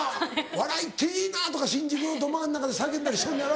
「笑いっていいな」とか新宿のど真ん中で叫んだりしとんのやろ？